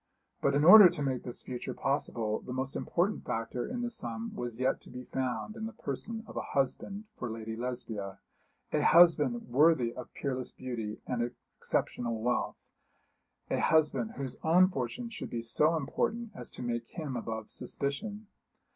But in order to make this future possible the most important factor in the sum was yet to be found in the person of a husband for Lady Lesbia a husband worthy of peerless beauty and exceptional wealth, a husband whose own fortune should be so important as to make him above suspicion.